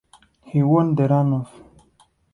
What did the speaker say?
He won the runoff.